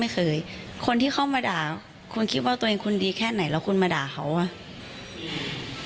คนที่เข้ามาด่าคุณคิดว่าตัวเองคุณดีแค่ไหนแล้วคุณมาด่าเขาอ่ะ